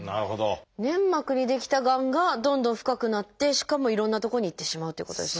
粘膜に出来たがんがどんどん深くなってしかもいろんなとこに行ってしまうということですね。